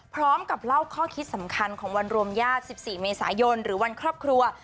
พร้อมกับเล่าข้อคิดสำคัญของวันรวมญาติ๑๔เมษายนหรือวันครอบครัว